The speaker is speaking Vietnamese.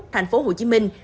thành phố hồ chí minh